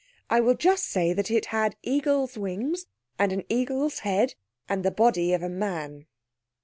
I will just say that it had eagle's wings and an eagle's head and the body of a man.